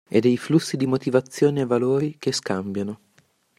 E dei flussi di motivazioni e valori che scambiano.